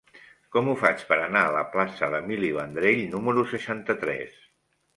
Com ho faig per anar a la plaça d'Emili Vendrell número seixanta-tres?